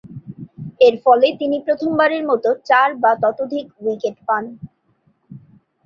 এরফলে তিনি প্রথমবারের মতো চার বা ততোধিক উইকেট পান।